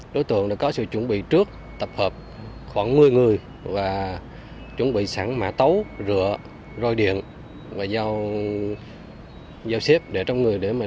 đối tượng đã có sự chuẩn bị trước tập hợp khoảng một mươi người và chuẩn bị sẵn mã tấu rửa rôi điện và dao xếp để trong người để mà đi